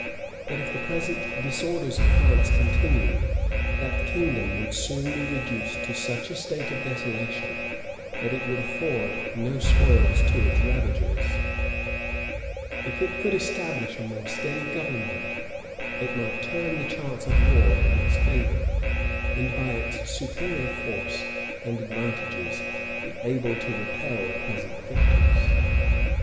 That if the present disorders of France continued, that kingdom would soon be reduced to such a state of desolation, that it would afford no spoils to its ravagers, if it could establish a more steady government, it might turn the chance of war in its favor, and by its superior force and advantages be able to repel the present victors.